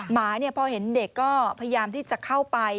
หมาพอเห็นเด็กก็พยายามที่จะเข้าไป